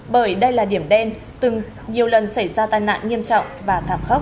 bởi đây là điểm đen từng nhiều lần xảy ra tai nạn nghiêm trọng và thảm khốc